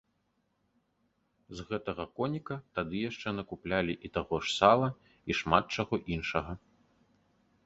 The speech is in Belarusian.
З гэтага коніка тады яшчэ накуплялі і таго ж сала, і шмат чаго іншага.